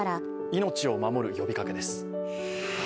命を守る呼びかけです。